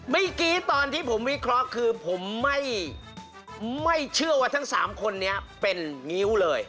เมื่อกี้ตอนที่ผมวิเคราะห์คือผมไม่เชื่อว่าทั้ง๓คนนี้เป็นงิ้วเลย